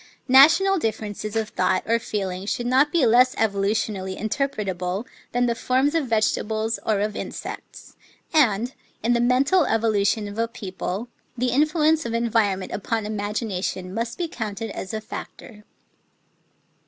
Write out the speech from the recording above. National differences of thought or feeling should not be less evolutionally interpretable than the forms of vegetables or of insects ; and, in the mental evolution of a people, the influence of en vironment upon imagination must be counted as a factor.